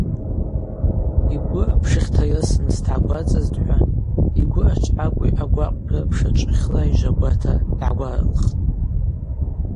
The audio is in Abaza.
Йгвы апшыхь тайрысырныс дгӏагварцӏызтӏхӏва йгвы ашвхӏакӏви агвакъвпри рпша чӏвыхьла йжвагвата дгӏагваралхтӏ.